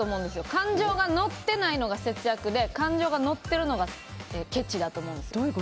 感情が乗ってないのが節約で感情が乗ってるのがけちだと思うんですよ。